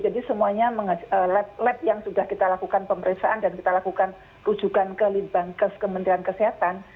jadi semuanya lab lab yang sudah kita lakukan pemeriksaan dan kita lakukan rujukan ke libangkes kementerian kesehatan